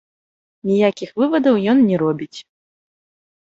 Ніякіх вывадаў ён не робіць.